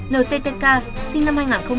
nttk sinh năm hai nghìn năm